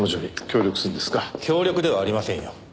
協力ではありませんよ。